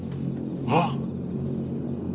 あっ！